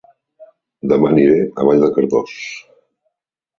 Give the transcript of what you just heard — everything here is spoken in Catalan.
Dema aniré a Vall de Cardós